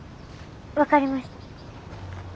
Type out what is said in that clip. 分かりました。